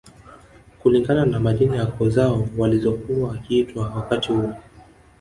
Kulingana na majina ya koo zao walizokuwa wakiitwa wakati huo